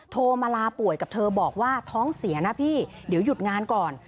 โทรมาลาป่วยกับเธอบอกว่าท้องเสียนะพี่เดี๋ยวหยุดงานก่อน